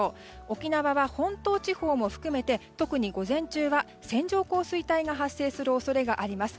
沖縄は本島地方も含めて特に午前中は線状降水帯が発生する恐れがあります。